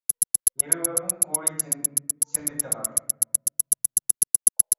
இருவரும் கூடிச் சிந்தித்தனர்.